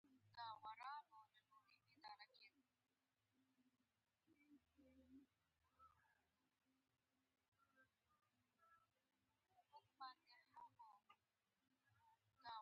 خو د بدن لپاره د کارولو وړ انرژي ته یې ماتول ډېر وخت نیسي.